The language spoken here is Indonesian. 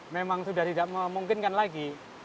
memang sudah tidak memungkinkan lagi